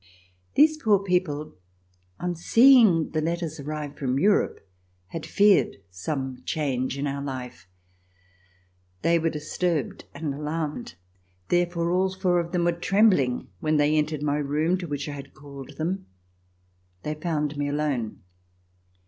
These poor people, on seeing the letters arrive from Europe, had feared some change in our life. They were disturbed and alarmed. Therefore, all four of them were trembling when they entered my room to which I had called them. They found me alone.